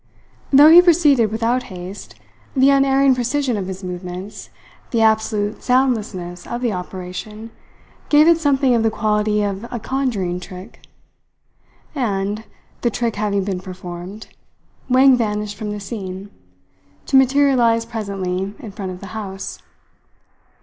Though he proceeded without haste, the unerring precision of his movements, the absolute soundlessness of the operation, gave it something of the quality of a conjuring trick. And, the trick having been performed, Wang vanished from the scene, to materialize presently in front of the house.